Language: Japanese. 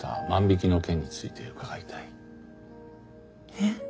えっ？